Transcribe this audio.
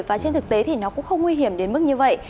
và trên thực tế thì nó cũng không nguy hiểm đến mức như vậy